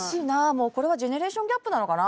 もうこれはジェネレーションギャップなのかな。